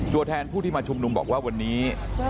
ตัวแทนผู้ที่มาชุมนุมบอกว่าวันนี้